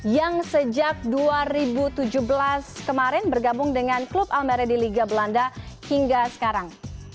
yang sejak dua ribu tujuh belas kemarin bergabung dengan klub almere di liga belanda hingga sekarang